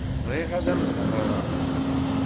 Bɣiɣ ad am-heḍṛeɣ.